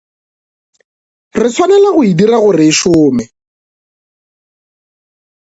Re swanela go e dira gore e šome.